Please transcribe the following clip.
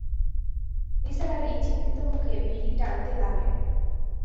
নিসার আলি চিন্তিত মুখে বিড়ি টানতে লাগলেন।